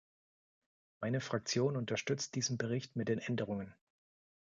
Meine Fraktion unterstützt diesen Bericht mit den Änderungen.